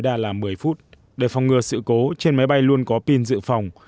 để phòng ngừa sự cố trên máy bay luôn có pin dự phòng